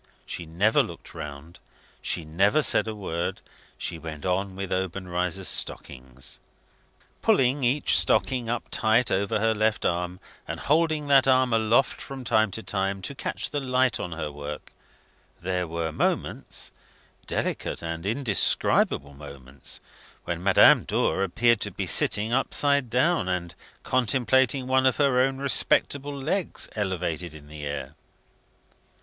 She never looked round; she never said a word; she went on with Obenreizer's stockings. Pulling each stocking up tight over her left arm, and holding that arm aloft from time to time, to catch the light on her work, there were moments delicate and indescribable moments when Madame Dor appeared to be sitting upside down, and contemplating one of her own respectable legs, elevated in the air.